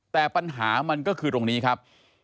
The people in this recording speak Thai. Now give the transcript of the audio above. แต่ปัญหามันก็คือตรงนี้ครับ